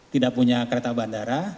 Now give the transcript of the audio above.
tidak punya kereta bandara